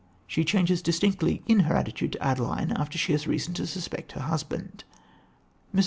She changes distinctly in her attitude to Adeline after she has reason to suspect her husband. Mrs.